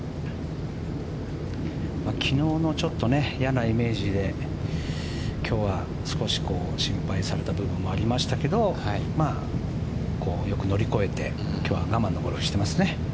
昨日の嫌なイメージで今日は少し心配された部分もありましたけどよく乗り越えて今日は我慢のゴルフをしてますね。